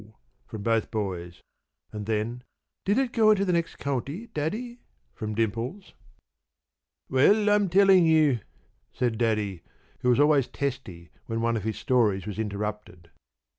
from both boys, and then: "Did it go into the next county, Daddy?" from Dimples. "Well, I'm telling you!" said Daddy, who was always testy when one of his stories was interrupted.